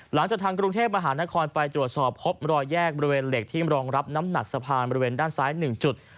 หลังจากทางกรุงเทพมหานครไปตรวจสอบพบรอยแยกบริเวณเหล็กที่รองรับน้ำหนักสะพานบริเวณด้านซ้าย๑จุด